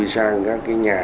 sang các cái nhà